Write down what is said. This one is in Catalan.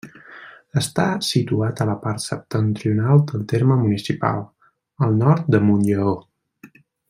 Està situat a la part septentrional del terme municipal, al nord de Montlleó.